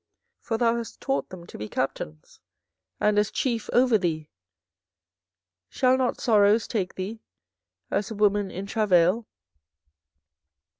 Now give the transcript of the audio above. for thou hast taught them to be captains, and as chief over thee: shall not sorrows take thee, as a woman in travail?